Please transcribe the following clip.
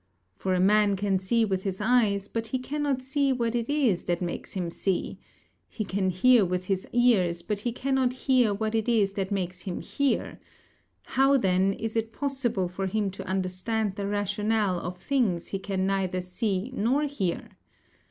For a man can see with his eyes, but he cannot see what it is that makes him see; he can hear with his ears, but he cannot hear what it is that makes him hear; how, then, is it possible for him to understand the rationale of things he can neither see nor hear.